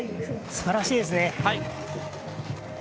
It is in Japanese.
すばらしいですね。